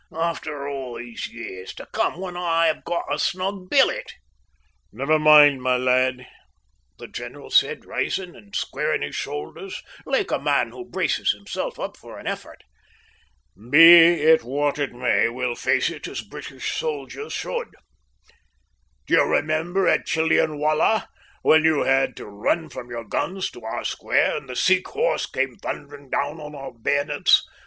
"After all these years, to come when I have got a snug billet." "Never mind, my lad," the general said, rising, and squaring his shoulders like a man who braces himself up for an effort. "Be it what it may we'll face it as British soldiers should. D'ye remember at Chillianwallah, when you had to run from your guns to our square, and the Sikh horse came thundering down on our bayonets?